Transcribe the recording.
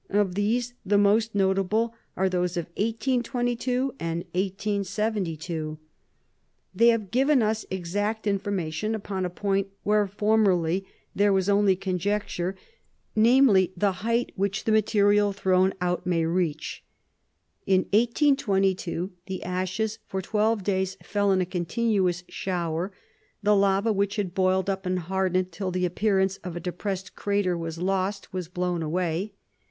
Of these, the most notable are those of 1822 and 1872. They have given us exact information upon a point where formerly there was only conjecture, viz: the height which the material thrown out may reach. In 1822, the ashes for twelve days fell in a continuous shower. The lava which had boiled up and hardened till the appearance of a depressed crater was lost was blown away.